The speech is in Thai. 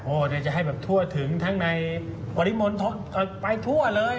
โอ้โหจะให้แบบทั่วถึงทั้งในบริมณ์ไปทั่วเลย